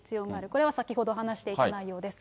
これは先ほど話していた内容です。